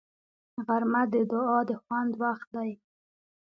غرمه د دعا د خوند وخت دی